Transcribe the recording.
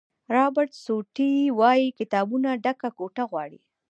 رابرټ سوټي وایي کتابونو ډکه کوټه غواړي.